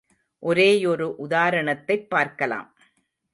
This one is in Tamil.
ஒரேயொரு உதாரணத்தைப் பார்க்கலாம்.